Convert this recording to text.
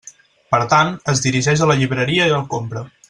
Per tant, es dirigeix a la llibreria i el compra.